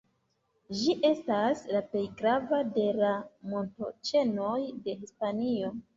Ĝi estas la plej grava de la montoĉenoj de Hispanio.